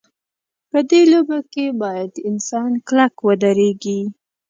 په دې لوبه کې باید انسان کلک ودرېږي.